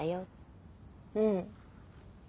うん。